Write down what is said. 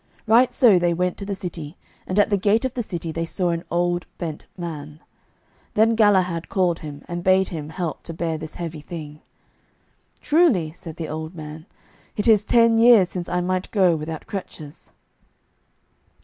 Right so they went to the city, and at the gate of the city they saw an old bent man. Then Galahad called him, and bade him help to bear this heavy thing. "Truly," said the old man, "it is ten years since I might go without crutches."